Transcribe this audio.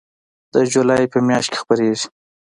د جولای په میاشت کې خپریږي